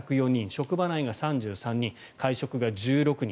職場内が３３人会食が１６人。